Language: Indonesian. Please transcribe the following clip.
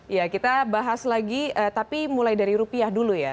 ya kita bahas lagi tapi mulai dari rupiah dulu ya